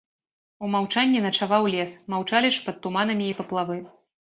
У маўчанні начаваў лес, маўчалі ж пад туманамі і паплавы.